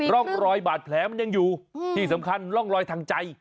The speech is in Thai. ร่องรอยบาดแผลมันยังอยู่ที่สำคัญร่องรอยทางใจ